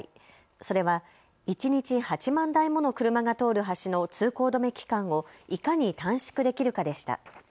それは一日８万台もの車が通る橋の通行止め期間をいかに短縮できるかでした。